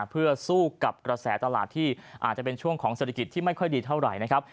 เพื่อสู้กับกระแสตลาดที่อาจจะเป็นช่วงของเศรษฐกิจที่ไม่ค่อยดีเท่าไหร่นะครับ